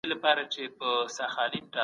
د سياست پوهني پايلې په عام ډول نه منل کيږي.